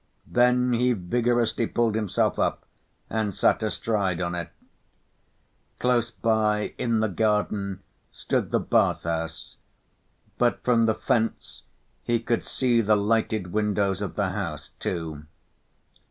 Then he vigorously pulled himself up and sat astride on it. Close by, in the garden stood the bath‐house, but from the fence he could see the lighted windows of the house too.